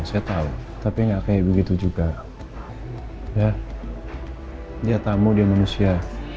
saya tahu tapi enggak kayak begitu juga ya dia tamu dia manusia